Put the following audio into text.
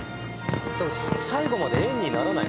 最後まで円にならない。